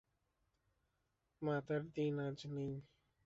মাতার দিন আজ নেই।